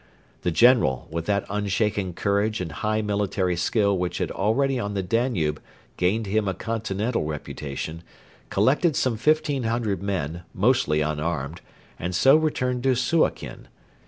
The general, with that unshaken courage and high military skill which had already on the Danube gained him a continental reputation, collected some fifteen hundred men, mostly unarmed, and so returned to Suakin.